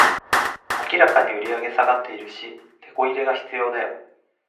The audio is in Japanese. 明らかに売上下がってるし、テコ入れが必要だよ